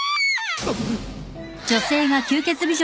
あっ！